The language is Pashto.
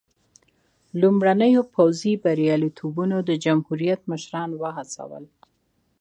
لومړنیو پوځي بریالیتوبونو د جمهوریت مشران وهڅول.